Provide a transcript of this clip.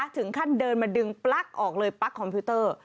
ถึงขั้นเดินมาดึงปลั๊กออกเลยปลั๊กคอมพิวเตอร์